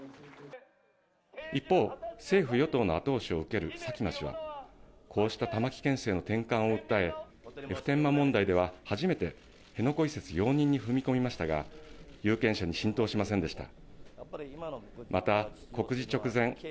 一方、政府・与党の後押しを受ける佐喜真氏は、こうした玉城県政の転換を訴え、普天間問題では初めて辺野古移設容認に踏み込みましたが、有権者に浸透しませんでした。